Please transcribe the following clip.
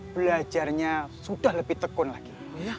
belajarnya sudah lebih tekun lagi